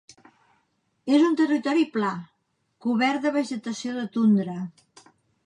És un territori pla, cobert de vegetació de tundra.